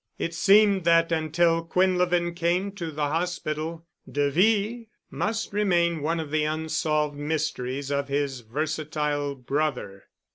It seemed that until Quinlevin came to the hospital "de V" must remain one of the unsolved mysteries of his versatile brother.